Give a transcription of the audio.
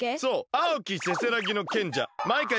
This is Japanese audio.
あおきせせらぎのけんじゃマイカよ。